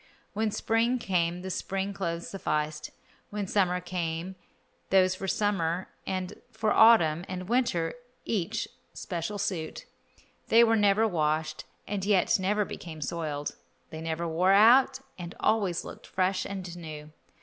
When spring came the spring clothes sufficed, when summer came those for summer, and for autumn and winter each special suit. They were never washed, and yet never became soiled; they never wore out, and always looked fresh and new.